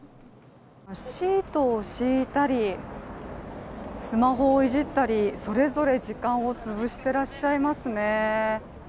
シートを敷いたり、スマホをいじったり、それぞれ時間を潰してらっしゃいますね。